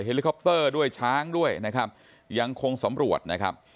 ลิคอปเตอร์ด้วยช้างด้วยนะครับยังคงสำรวจนะครับ